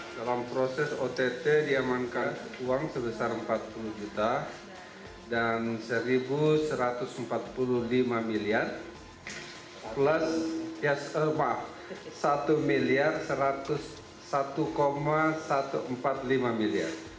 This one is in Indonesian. dalam proses ott diamankan uang sebesar rp empat puluh juta dan rp satu satu ratus empat puluh lima miliar plus satu satu ratus satu satu ratus empat puluh lima miliar